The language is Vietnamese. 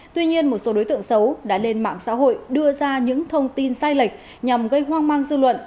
tuy nhiên một số đối tượng xấu đã lên mạng xã hội đưa ra những thông tin sai lệch nhằm gây hoang mang dư luận